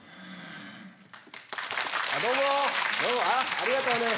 ありがとう。